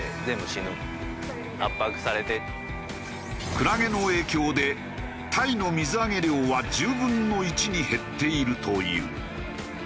クラゲの影響でタイの水揚げ量は１０分の１に減っているという。